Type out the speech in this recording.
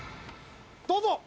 どうぞ。